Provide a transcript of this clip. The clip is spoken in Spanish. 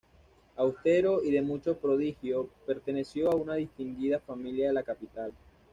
Austero y de mucho prodigio, perteneció a una distinguida familia de la capital.